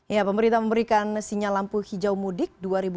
ya pemerintah memberikan sinyal lampu hijau mudik dua ribu dua puluh